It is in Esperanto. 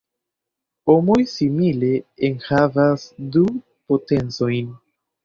Homoj simile enhavas du potencojn.